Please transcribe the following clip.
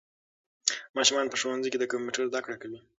ماشومان په ښوونځیو کې د کمپیوټر زده کړه کوي.